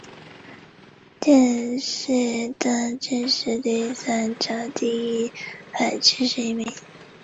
上海市顾村中学是宝山区顾村镇的一所完全中学。